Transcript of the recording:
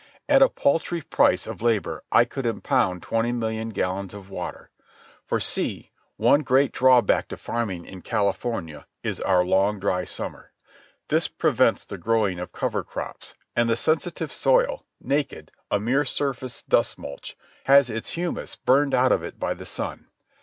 At a paltry price of labour I could impound twenty million gallons of water. For, see: one great drawback to farming in California is our long dry summer. This prevents the growing of cover crops, and the sensitive soil, naked, a mere surface dust mulch, has its humus burned out of it by the sun.